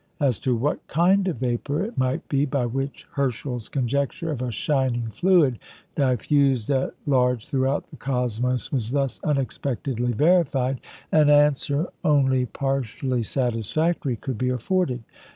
As to what kind of vapour it might be by which Herschel's conjecture of a "shining fluid" diffused at large throughout the cosmos was thus unexpectedly verified, an answer only partially satisfactory could be afforded.